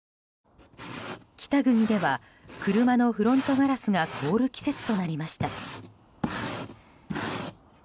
北国では車のフロントガラスが凍る季節となりました。